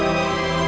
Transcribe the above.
gak ada tapi tapian